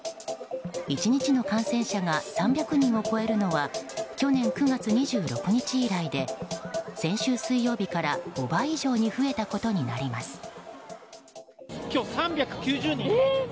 １日の感染者が３００人を超えるのは去年９月２６日以来で先週水曜日から５倍以上に増えたことになります。